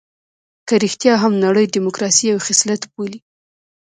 که رښتيا هم نړۍ ډيموکراسي یو خصلت بولي.